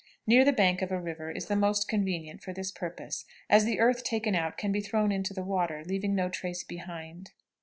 Near the bank of a river is the most convenient for this purpose, as the earth taken out can be thrown into the water, leaving no trace behind.